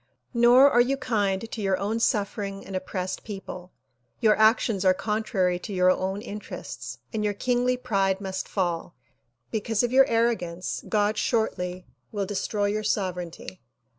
Nor are you kind to your own suffering and oppressed people. Your actions are contrary to your own interests and your kingly pride must fall. Because of your arrogance God shortly will destroy your sovereignty.